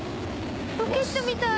ロケットみたい。